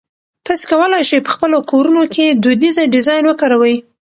تاسي کولای شئ په خپلو کورونو کې دودیزه ډیزاین وکاروئ.